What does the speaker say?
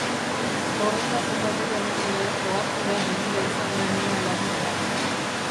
Horretaz eta gehiagoz ere ohartu da begira izan den une llaburrean.